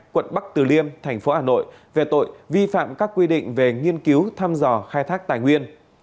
quận bắc từ liêm thành phố hà nội về tội vi phạm các quy định về nghiên cứu thăm dò khai thác tài nguyên